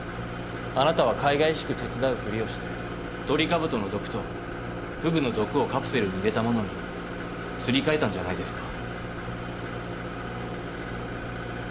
あなたはかいがいしく手伝うふりをしてトリカブトの毒とフグの毒をカプセルに入れたものにすり替えたんじゃないですか？